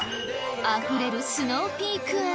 あふれるスノーピーク愛